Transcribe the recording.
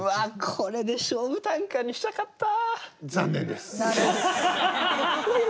これで勝負短歌にしたかった。